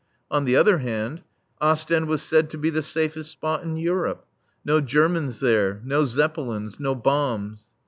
On the other hand, Ostend was said to be the safest spot in Europe. No Germans there. No Zeppelins. No bombs.